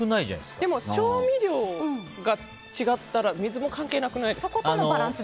でも、調味料が違ったら水も関係なくないですか。